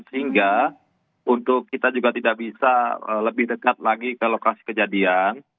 sehingga untuk kita juga tidak bisa lebih dekat lagi ke lokasi kejadian